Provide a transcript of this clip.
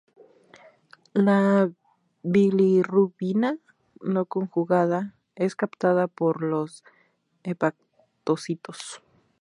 La bilirrubina no conjugada es captada por los hepatocitos.